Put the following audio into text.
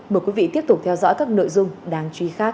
mời quý vị tiếp tục theo dõi các nội dung đáng truy khác